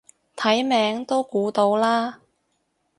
睇名都估到啦